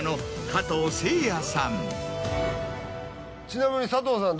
ちなみに佐藤さん